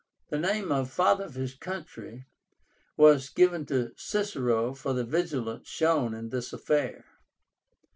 The name of "Father of his Country" was given to Cicero for the vigilance shown in this affair.